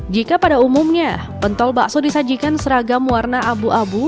jika pada umumnya pentol bakso disajikan seragam warna abu abu